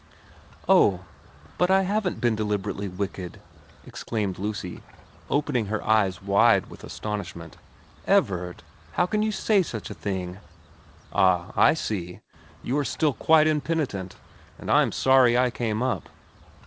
' Oh, but I haven't been deliberately wicked !' xxn VERA 245 exclaimed Lucy, opening her eyes wide with astonish ment. * Everard, how can you say such a thing ?'* Ah, I see. You are still quite impenitent, and I am sorry I came up.'